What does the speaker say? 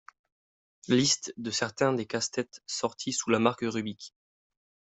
Liste de certains des casse-têtes sortis sous la marque Rubik.